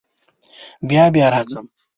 بیا بیا راځم.